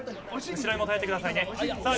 後ろにもたれてください。